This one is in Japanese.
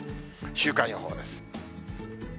週間予報です。